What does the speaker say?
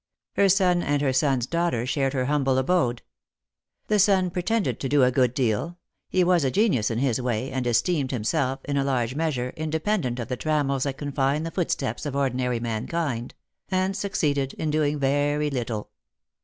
Her son and her son's daughter shared her humble abode. The son pretended to do a good deal — he was a genius in his way, and esteemed himself, in a large mea sure, independent of the trammels that confine the footsteps of ordinary mankind — and succeeded in doing very little.